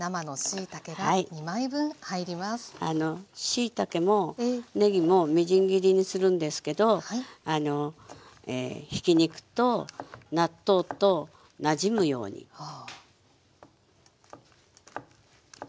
あのしいたけもねぎもみじん切りにするんですけどひき肉と納豆となじむように切りますね。